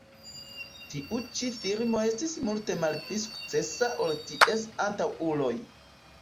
Tiu ĉi filmo estis multe malpli sukcesa ol ties antaŭuloj.